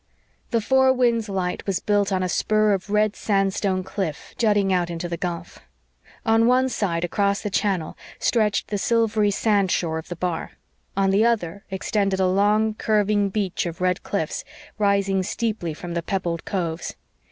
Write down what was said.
The Four Winds light was built on a spur of red sand stone cliff jutting out into the gulf. On one side, across the channel, stretched the silvery sand shore of the bar; on the other, extended a long, curving beach of red cliffs, rising steeply from the pebbled coves.